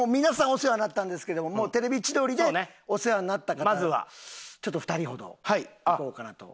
お世話になったんですけども『テレビ千鳥』でお世話になった方ちょっと２人ほど行こうかなと。